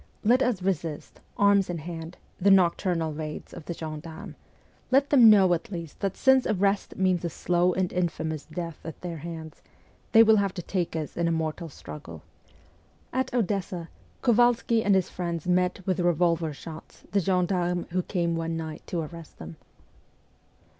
Let us resist, arms in hand, the nocturnal raids of the gendarmes ; let them know, at least, that since arrest means a slow and infamous death at their hands, they will have to take us in a mortal struggle.' At Odessa, 238 MEMOIRS OF A REVOLUTIONIST Kovalsky and his friends met with revolver shots the gendarmes who came one night to arrest them.